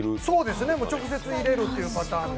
そうですね、直接入れるっていう。